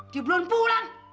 dia belum pulang